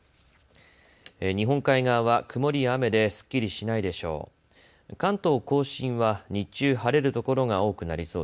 日本海側は曇りや雨ですっきりしないでしょう。